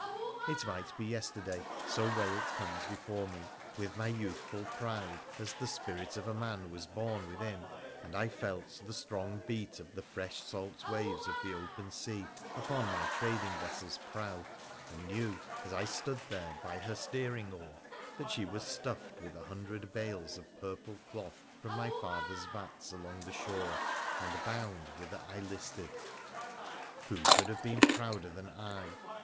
It might be yesterday, so well it comes before nie — with my youthful pride as the spirit of a man was born within, and I felt the strong beat of the fresh salt waves of the open sea upon my trading vessel's prow, and knew, as I stood there by her steering oar, that she was stuffed with a hundred bales of purple cloth from my father's vats along the shore, and bound whither I listed. Who could have been prouder than I